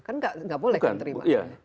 kan nggak boleh kan terima